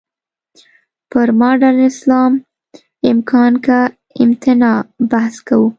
پر «مډرن اسلام، امکان که امتناع؟» بحث کوو.